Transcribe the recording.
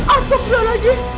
asok dulu lagi